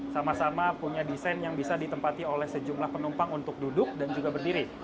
sama sama punya desain yang bisa ditempati oleh sejumlah penumpang untuk duduk dan juga berdiri